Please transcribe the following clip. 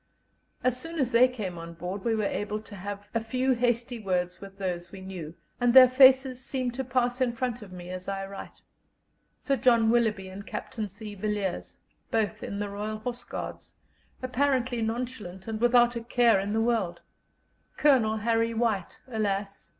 As soon as they came on board we were able to have a few hasty words with those we knew, and their faces seem to pass in front of me as I write: Sir John Willoughby and Captain C. Villiers, both in the Royal Horse Guards, apparently nonchalant and without a care in the world; Colonel Harry White alas!